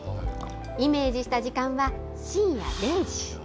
イメージした時間は深夜０時。